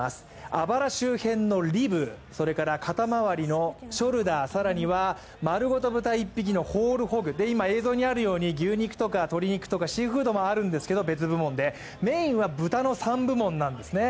あばら周辺のリブ、それから肩周りのショルダー、更には丸ごと豚１匹のホールホッグ、映像にあるように、牛肉とか鶏肉とか、シーフードも別部門であるんですけどメインは豚の３部門なんですね。